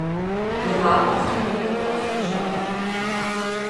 Wir haben es nun jedoch fast geschafft.